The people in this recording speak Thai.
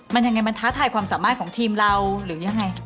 มันยังไงมันท้าทายความสามารถของทีมเราหรือยังไง